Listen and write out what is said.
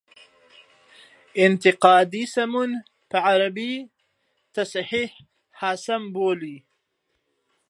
انتقادي سمون په عربي تصحیح حاسم بولي.